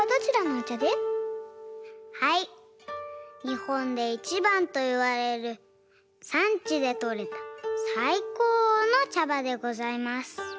にほんでいちばんといわれるさんちでとれたさいこうのちゃばでございます。